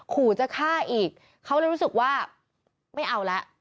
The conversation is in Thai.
ขู่จะฆ่าอีกเขาเลยรู้สึกว่าไม่เอาแล้ว